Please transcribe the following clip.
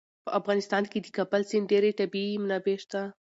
په افغانستان کې د کابل سیند ډېرې طبعي منابع شته.